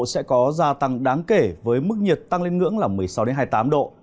sẽ có gia tăng đáng kể với mức nhiệt tăng lên ngưỡng là một mươi sáu hai mươi tám độ